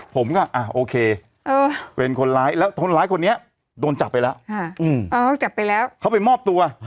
ผมก็อ่ะโอเคเป็นคนร้ายแล้วคนร้ายคนนี้โดนจับไปแล้วเขาไปมอบตัว